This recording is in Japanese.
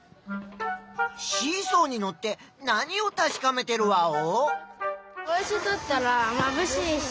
シーソーにのって何をたしかめてるワオ？